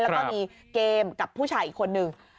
แล้วก็มีเกมกับผู้ชายอีกคนนึง